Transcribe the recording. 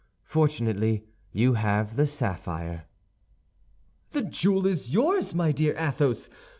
Fortunately, you have the sapphire." "The jewel is yours, my dear Athos!